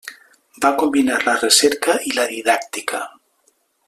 Va combinar la recerca i la didàctica.